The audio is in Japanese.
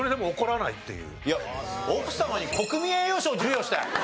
奥様に国民栄誉賞を授与したい！